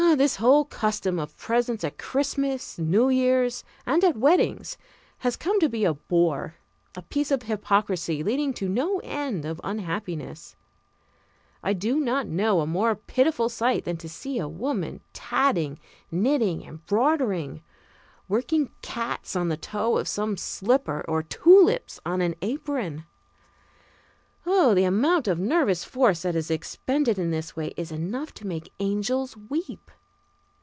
This whole custom of presents at Christmas, New Year's, and at weddings has come to be a bore, a piece of hypocrisy leading to no end of unhappiness. I do not know a more pitiful sight than to see a woman tatting, knitting, embroidering working cats on the toe of some slipper, or tulips on an apron. The amount of nervous force that is expended in this way is enough to make angels weep.